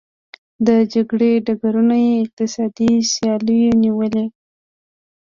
د جګړې ډګرونه یې اقتصادي سیالیو نیولي.